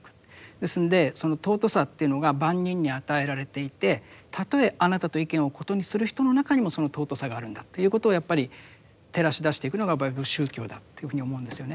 ですんでその尊さというのが万人に与えられていてたとえあなたと意見を異にする人の中にもその尊さがあるんだということをやっぱり照らし出していくのが宗教だっていうふうに思うんですよね。